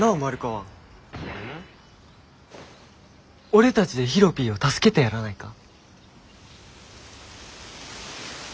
俺たちでヒロピーを助けてやらないか？